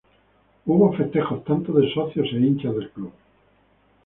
Hubo festejos tanto de socios e hinchas del club.